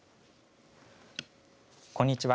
こんにちは。